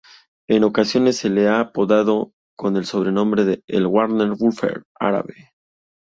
En ocasiones se le ha apodado con el sobrenombre de "El Warren Buffett árabe".